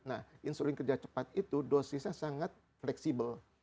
nah insulin kerja cepat itu dosisnya sangat fleksibel